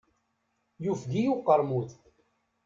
Yufeg-iyi uqermud.